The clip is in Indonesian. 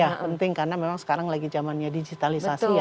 ya penting karena memang sekarang lagi zamannya digitalisasi ya